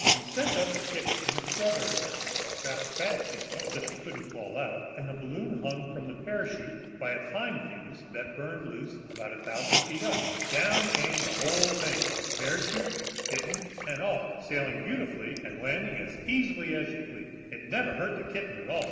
We sent up a kitten in a strawberry basket, strapped fast, you know, so she couldn't fall out, and the basket hung from the parachute by a time fuse that burned loose about a thousand feet up, and down came the whole thing, parachute, kitten, and all, sailing beautifully and landing as easily as you please. It never hurt the kitten at all.